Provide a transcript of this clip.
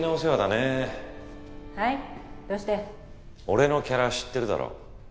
俺のキャラ知ってるだろ？